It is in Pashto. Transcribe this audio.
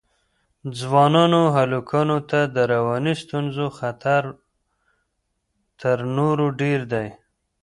ځوانو هلکانو ته د رواني ستونزو خطر تر نورو ډېر دی.